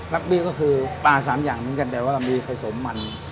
ลักบี้ก็คือปลา๓อย่างเหมือนกันแต่ว่ามีผสมมัน